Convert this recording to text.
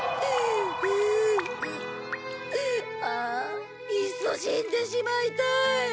ああいっそ死んでしまいたい！